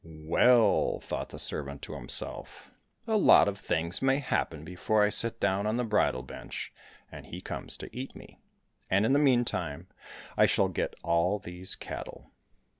—" Well," thought the servant to him self, "a lot of things may happen before I sit down on the bridal bench and he comes to eat me, and in the meantime I shall get all these cattle.